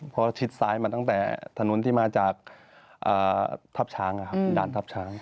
เพราะชิดซ้ายมาตั้งแต่ถนนที่มาจากด้านทับช้าง